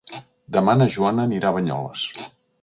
Demà na Joana anirà a Banyoles.